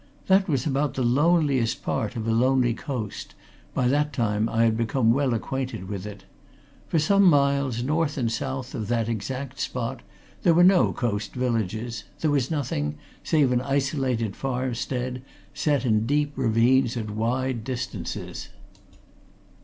That was about the loneliest part of a lonely coast by that time I had become well acquainted with it. For some miles, north and south of that exact spot, there were no coast villages there was nothing, save an isolated farmstead, set in deep ravines at wide distances.